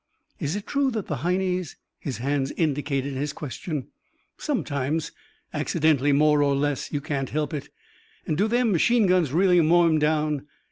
"Is it true that the Heinies ?" His hands indicated his question. "Sometimes. Accidentally, more or less. You can't help it." "And do them machine guns really mow 'em down?"